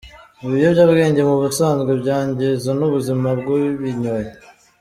Ibiyobyabwenge mu busanzwe byangiza n’ubuzima bw’ubinyoye.